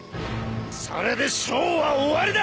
それでショーは終わりだ！